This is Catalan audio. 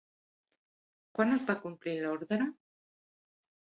Quan es va complir l'ordre?